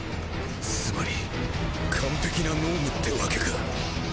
つまり完璧な脳無ってわけか。